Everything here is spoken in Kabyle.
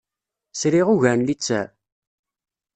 Sriɣ ugar n littseɛ.